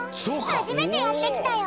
はじめてやってきたよ！